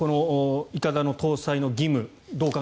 いかだの搭載の義務